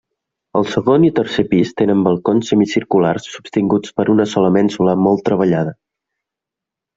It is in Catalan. El segon i tercer pis tenen balcons semicirculars sostinguts per una sola mènsula molt treballada.